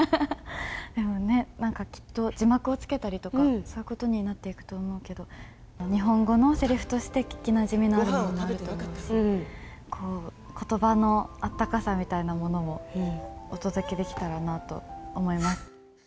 でもね、きっと字幕をつけたりとか、そういうことになっていくと思うけど、日本語のせりふとして聞きなじみのあるものもあると思うし、ことばのあったかさみたいなものをお届けできたらなと思います。